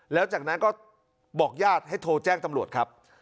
แล้วจากนั้นก็บอกญาติให้โทรแจ้งตำรวจครับ